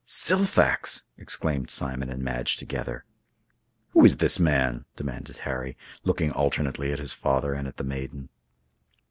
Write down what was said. "Silfax!" exclaimed Simon and Madge together. "Who is this man?" demanded Harry, looking alternately at his father and at the maiden.